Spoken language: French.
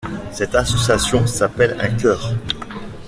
Cette association s'appelle un chœur.